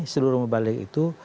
seluruh mubalik itu